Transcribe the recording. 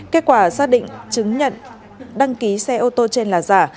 kết quả xác định chứng nhận đăng ký xe ô tô trên là giả